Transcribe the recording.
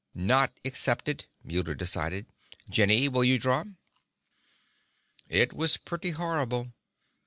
"Not accepted," Muller decided. "Jenny, will you draw?" It was pretty horrible.